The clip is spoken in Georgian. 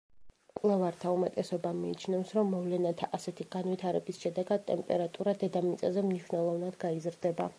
მკვლევართა უმეტესობა მიიჩნევს, რომ მოვლენათა ასეთი განვითარების შედეგად ტემპერატურა დედამიწაზე მნიშვნელოვნად გაიზრდება.